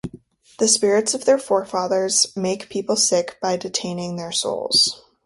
The spirits of their forefathers make people sick by detaining their souls.